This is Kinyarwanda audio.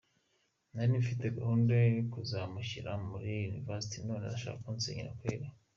Nari mfite gahunda yo kuzamushyira mu muri iniverisite none arashaka kunsenyera kweli ”.